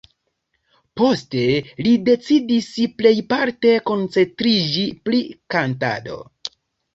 Poste li decidis plejparte koncentriĝi pri kantado.